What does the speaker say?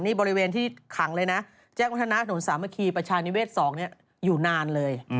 ในบริเวณที่ขังเลยนะแจกมธนาคต์หนุนสามัคคีประชานิเวศ๒อยู่นานเลย